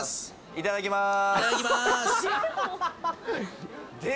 いただきます